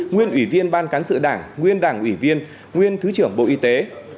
nguyên ủy viên ban cán sự đảng nguyên đảng ủy viên nguyên thứ trưởng bộ y tế